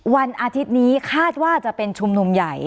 วันอาทิตย์นี้คาดว่าจะเป็นชุมนุมใหญ่